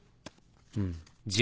うん。